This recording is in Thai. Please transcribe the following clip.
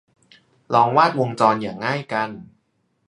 ลองวาดวงจรอย่างง่ายกัน